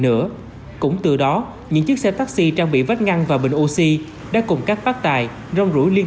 nữa cũng từ đó những chiếc xe taxi trang bị vách ngăn và bình oxy đã cùng các bác tài rong rủi liên